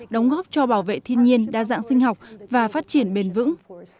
đóng góp cho bảo vệ thiên nhiên đa dạng sinh học và phát triển bền vững